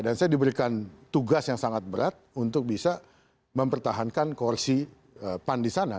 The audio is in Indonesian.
dan saya diberikan tugas yang sangat berat untuk bisa mempertahankan koordinasi